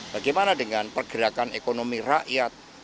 bagaimana dengan pergerakan ekonomi rakyat